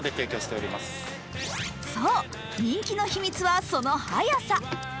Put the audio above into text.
そう、人気の秘密は、その早さ。